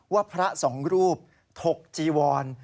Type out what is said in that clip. ว่าพระส่งรูปทกจีวร